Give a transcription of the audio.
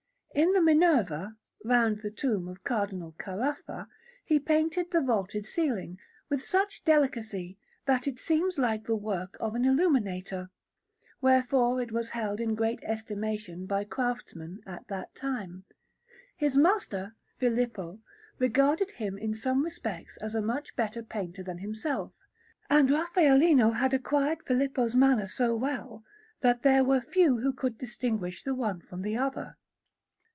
In the Minerva, round the tomb of Cardinal Caraffa, he painted the vaulted ceiling, with such delicacy, that it seems like the work of an illuminator; wherefore it was held in great estimation by craftsmen at that time. His master, Filippo, regarded him in some respects as a much better painter than himself; and Raffaellino had acquired Filippo's manner so well, that there were few who could distinguish the one from the other.